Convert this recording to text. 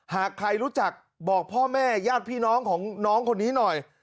หากใครรู้จักบอกพ่อแม่ญาติพี่น้องของน้องคนนี้หน่อย